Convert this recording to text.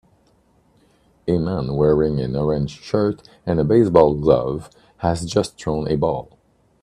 A man wearing an orange shirt and a baseball glove has just thrown a ball.